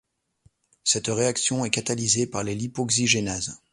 Cette réaction est catalysée par les lipoxygénases.